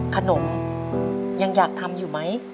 ขนมยังอยากทำอยู่ไหม